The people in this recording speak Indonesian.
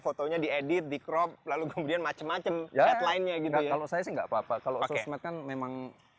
fotonya diedit di crop lalu kemudian macem macem ya lainnya gitu ya kalau saya enggak papa kalau kan